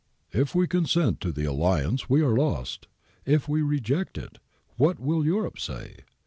'If we consent to the alliance we are lost. If we reject it, what will Europe say